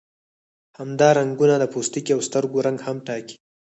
همدا رنګونه د پوستکي او سترګو رنګ هم ټاکي.